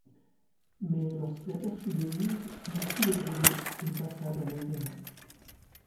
Mais, lorsqu'il aperçut Denise, il fit le gros dos et passa d'un air aimable.